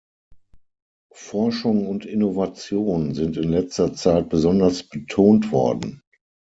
Forschung und Innovation sind in letzter Zeit besonders betont worden.